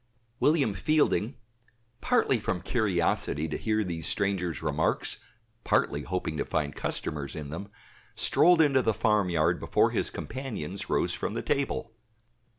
William Fielding, partly from curiosity to hear these strangers' remarks, partly hoping to find customers in them, strolled into the farmyard before his companions rose from the table.